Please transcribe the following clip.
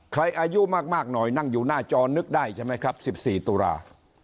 อายุมากหน่อยนั่งอยู่หน้าจอนึกได้ใช่ไหมครับ๑๔ตุลา